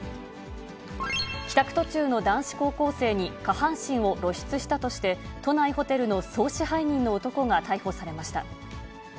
帰宅途中の男子高校生に下半身を露出したとして、都内ホテルの総支配人の男が逮捕されました。